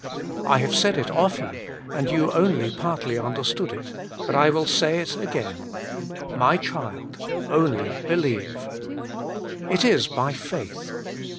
I have said it often, and you onl}'' partly understood it, but I will say it again — As cbUD, onli2 believe/' It is by faith.